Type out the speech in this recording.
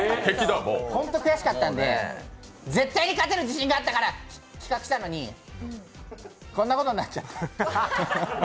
ほんと悔しかったんで、絶対に勝てる自信があったから企画したのに、こんなことになっちゃって。